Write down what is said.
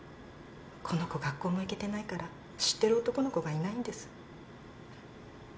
この子学校も行けてないから知ってる男の子がいないんです。